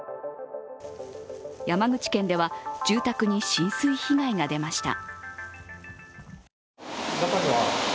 山口県では住宅に浸水被害が出ました。